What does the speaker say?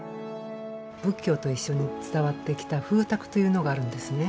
仏教と一緒に伝わってきた風鐸というのがあるんですね